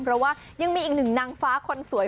เพราะว่ายังมีอีกหนึ่งนางฟ้าคนสวย